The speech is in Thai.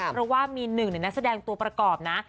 เพราะว่ามีหนึ่งในนักแสดงตัวประกอบนะ